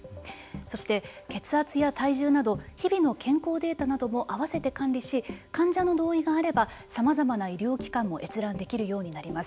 そして血圧や体重など日々の健康データなども合わせて管理し患者の同意があればさまざまな医療機関も閲覧できるようになります。